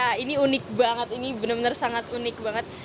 ya ini unik banget ini bener bener sangat unik banget